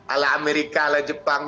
ala amerika ala jepang